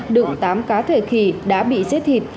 đựng tám cá thể khỉ đã bị chết thịt